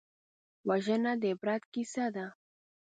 وژنه د عبرت کیسه ده